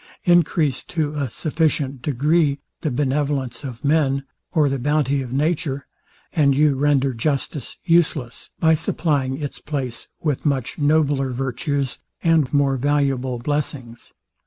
Encrease to a sufficient degree the benevolence of men, or the bounty of nature, and you render justice useless, by supplying its place with much nobler virtues, and more valuable blessings.